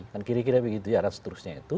dan kira kira begitu dan seterusnya itu